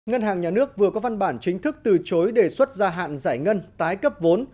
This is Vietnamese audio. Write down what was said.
ngân hàng nhà nước vừa có văn bản chính thức từ chối đề xuất gia hạn giải ngân tái cấp vốn